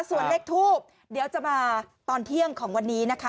ส่วนเลขทูบเดี๋ยวจะมาตอนเที่ยงของวันนี้นะคะ